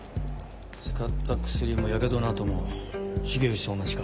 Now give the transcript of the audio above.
使った薬もやけどの痕も重藤と同じか。